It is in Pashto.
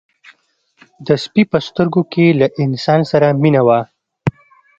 د سپي په سترګو کې له انسان سره مینه وه.